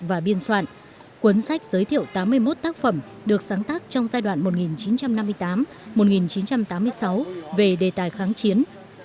và biên soạn cuốn sách giới thiệu tám mươi một tác phẩm được sáng tác trong giai đoạn một nghìn chín trăm năm mươi tám một nghìn chín trăm tám mươi sáu về đề tài kháng chiến